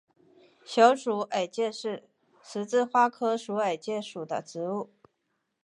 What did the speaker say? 小鼠耳芥是十字花科鼠耳芥属的植物。